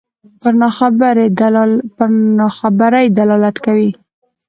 پر ناخبرۍ دلالت کوي.